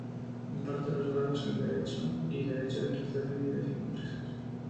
Imparte los grados en Derecho, y Derecho y Administración y Dirección de Empresas.